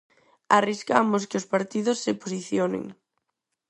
Arriscamos que os partidos se posicionen.